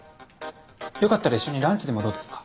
よかったら一緒にランチでもどうですか？